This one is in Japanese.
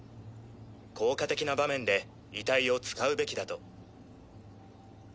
効果的な場面で遺体を使うべきだと。